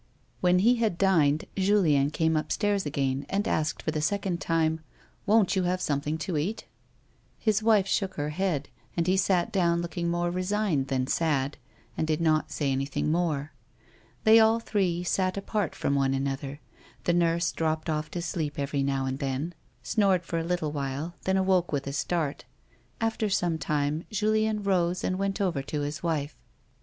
When he had dined, Juiieu came upstairs again and asked for the second time, " Won't you have sometliing to eat 1 " His wife shook her head, and he sat down lookin j; more resigned tlian sad, and did not say anything more. They all three sat apart from one another ; the nurse dropped off to A WOMAN'S LIFE. 155 sleep every now and then, snored for a little while, then awoke with a start. After some time Julien rose and went over to his wife.